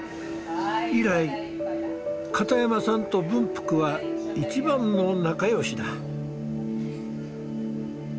以来片山さんと文福は一番の仲よしだ。